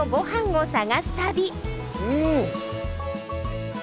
うん！